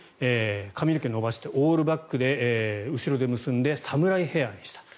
髪の毛を伸ばしてオールバックで後ろで結んでサムライヘアにした。